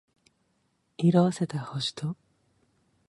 色褪せた星と